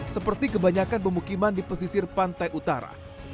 seperti kebanyakan pemukiman di pesisir pantai utara